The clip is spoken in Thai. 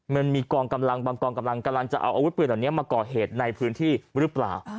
มันมีกองกำลังบางกองกำลังกำลังจะเอาอาวุธปืนเหล่านี้มาก่อเหตุในพื้นที่หรือเปล่า